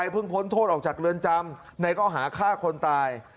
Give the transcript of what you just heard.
พ้นโทษออกจากเรือนจำในก็หาฆ่าคนตาย